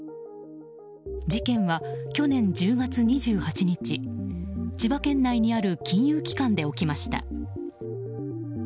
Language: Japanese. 事件は去年１０月２８日千葉県内にある金融機関で起きました。